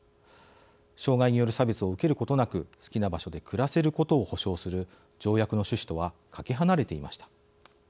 「障害による差別を受けることなく好きな場所で暮らせる」ことを保障する条約の趣旨とはかけ離れていました。